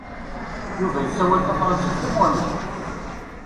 Yuba yessawal tafṛensist am waman.